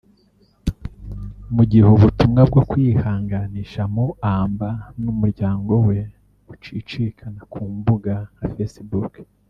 mu gihe ubutumwa bwo kwihanganisha Muamba n’umuryango we bucicikana ku mbuga nka facebook